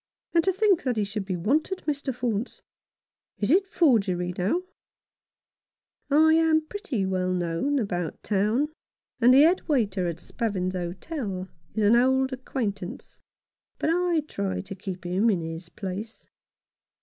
And to think that he should be wanted, Mr. Faunce ! Is it forgery, now ?" I am pretty well known about town, and the head waiter at Spavins's hotel is an old acquaint ance ; but I try to keep him in his place.